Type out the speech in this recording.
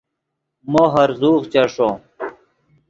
مو ہرزوغ چیݰو